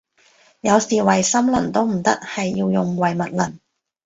有時唯心論都唔得，係要用唯物論